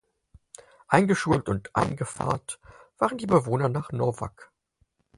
Eingeschult und eingepfarrt waren die Bewohner nach Nowag.